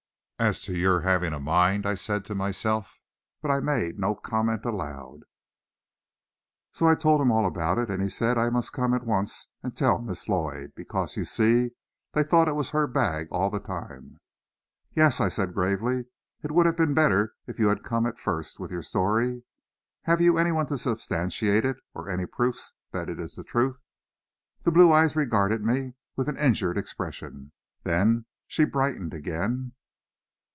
"As to your having a mind!" I said to myself, but I made no comment aloud. "So I told him all about it, and he said I must come at once and tell Miss Lloyd, because, you see, they thought it was her bag all the time." "Yes," I said gravely; "it would have been better if you had come at first, with your story. Have you any one to substantiate it, or any proofs that it is the truth?" The blue eyes regarded me with an injured expression. Then she brightened again.